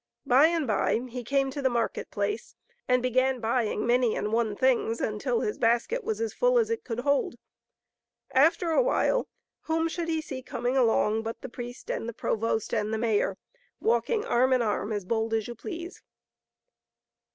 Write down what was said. By and by he came to the mar ket place and began buying many and one things, until his basket was as full as it could hold. After a while whom should he see coming along but the priest and the provost and the mayor, walking arm in arm as bold as you please.